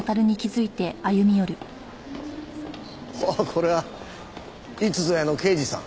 ほうこれはいつぞやの刑事さん。